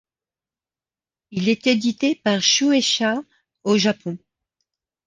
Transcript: Il est édité par Shueisha au Japon.